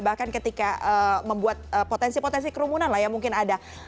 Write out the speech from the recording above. bahkan ketika membuat potensi potensi kerumunan lah ya mungkin ada